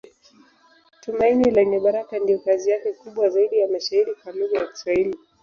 Tumaini Lenye Baraka ndiyo kazi yake kubwa zaidi ya mashairi kwa lugha ya Kiswahili.